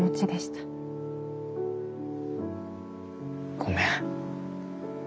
ごめん。